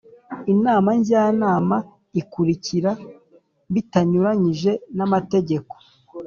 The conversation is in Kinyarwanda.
inama Njyanama ikurikira bitanyuranyije n amategeko